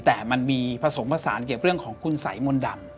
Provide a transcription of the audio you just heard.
แต่มันมีผสมผสานเกี่ยวกับเรื่องของคุณสัยมนต์ดำ